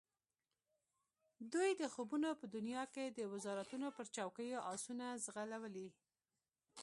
دوی د خوبونو په دنیا کې د وزارتونو پر چوکیو آسونه ځغلولي.